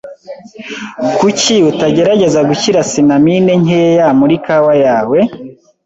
Kuki utagerageza gushyira cinamine nkeya muri kawa yawe?